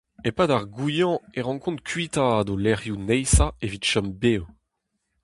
E-pad ar goañv e rankont kuitaat o lec'hioù neizhañ evit chom bev.